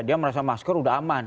dia merasa masker udah aman